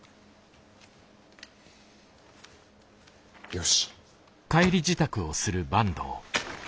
よし。